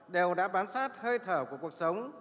đều đã bám sát hơi thở của cuộc sống